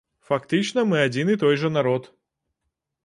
Фактычна мы адзін і той жа народ.